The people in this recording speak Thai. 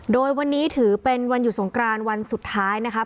โดยวันนี้ถือเป็นวันหยุดสงกรานวันสุดท้ายนะครับ